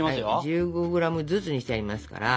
１５ｇずつにしてありますから。